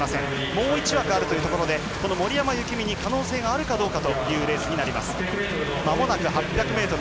もう１枠あるというところで森山幸美に可能性があるかというレースになります。